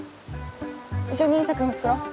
一緒にいい作品作ろう。